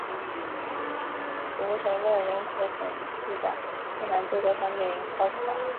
无神论人口统计的困难是多方面原因造成的。